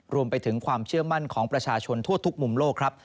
รวมไปถึงความเชื่อมั่นของประชาชนทั่วทุกมุมโลกครับ